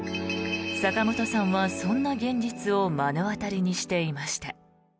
坂本さんは、そんな現実を目の当たりにしていました。